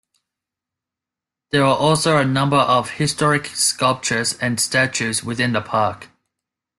There are also a number of historic sculptures and statues within the park.